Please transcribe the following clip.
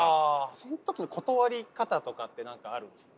その時の断り方とかって何かあるんですか？